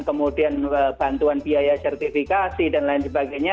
kemudian bantuan biaya sertifikasi dan lain sebagainya